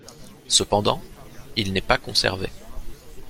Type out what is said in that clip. Cependant, il n'est pas conservé.